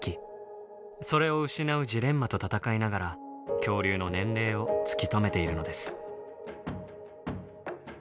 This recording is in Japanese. それを失うジレンマと闘いながら恐竜の年齢を突き止めているのです。